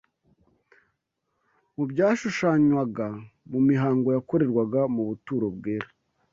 mu byashushanywaga mu mihango yakorerwaga mu buturo bwera